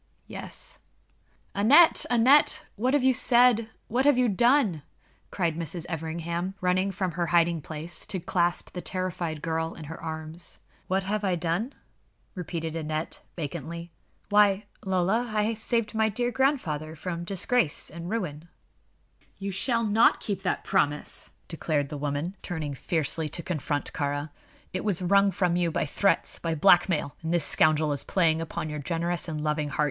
"Yes." "Aneth! Aneth! what have you said? What have you done?" cried Mrs. Everingham, running from her hiding place to clasp the terrified girl in her arms. "What have I done?" repeated Aneth, vacantly. "Why, Lola, I have saved my dear grandfather from disgrace and ruin." [Illustration: "You shall not keep that promise!" declared the woman] "You shall not keep that promise!" declared the woman, turning fiercely to confront Kāra. "It was wrung from you by threats by blackmail and this scoundrel is playing upon your generous and loving heart.